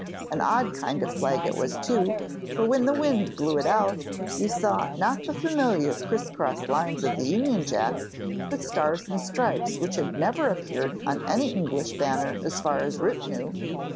An odd kind of flag it was too, for when the wind blew it out, you saw, not the familiar criss cross lines of the Union Jack, but stars and stripes which had never appeared on any English banner as far as Rip knew!